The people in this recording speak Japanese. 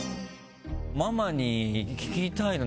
ママに聞きたいな。